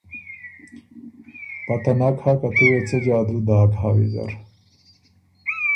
پته نک هۀ که ”تُو وې څۀ جادو داک ویزر“